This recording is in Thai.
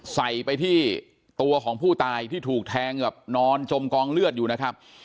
ใส่ไปที่ตัวของผู้ตายที่ถูกแทงแบบนอนจมกองเลือดอยู่นะครับ